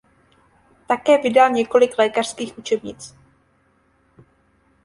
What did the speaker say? Také vydal několik lékařských učebnic.